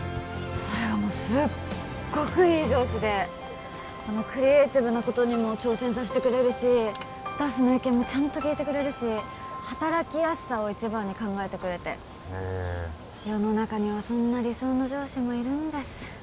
それがもうすっごくいい上司でクリエイティブなことにも挑戦させてくれるしスタッフの意見もちゃんと聞いてくれるし働きやすさを一番に考えてくれてへえっ世の中にはそんな理想の上司もいるんです